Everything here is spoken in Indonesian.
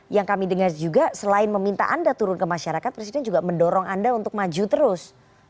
yang kami dengar juga selain meminta anda turun ke masyarakat presiden juga mendorong anda untuk maju terus